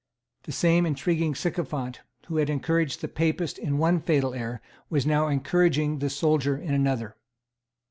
The same intriguing sycophant who had encouraged the Papist in one fatal error was now encouraging the soldier in another.